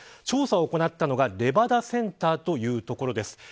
調査を行ったのがレバダセンターというところです。